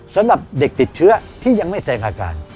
สำหรับเด็กติดเชื้อที่ยังไม่แซงอาการ